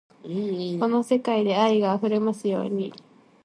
この世界が愛で溢れますように